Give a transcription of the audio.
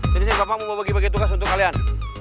sini sini bapak mau bagi bagi tugas untuk kalian